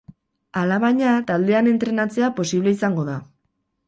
Alabaina, taldean entrenatzea posible izango da.